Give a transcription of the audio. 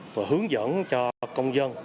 và hướng dẫn cho công dân